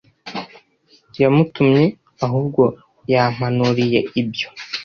Yamutumye ahubwo yampanuriyeho ibyo